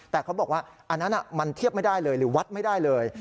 แต่เขาบอกว่าอันนั้นมันเทียบไม่ได้เลยหรือวัดไม่ได้เลย